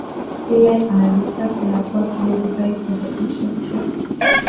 ile anadiscuss inakuwa tu basically for the interest ya